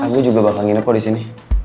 gue juga bakal nginep kok disini